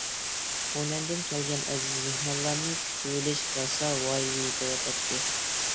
خۇنەندىن كەلگەن ئەزىز مېھمانلارنى كۈتۈۋېلىش راسا ۋايىگە يېتىۋاتاتتى.